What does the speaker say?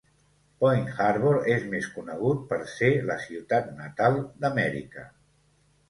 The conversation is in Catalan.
Point Harbor és més conegut per ser la ciutat natal d'Amèrica.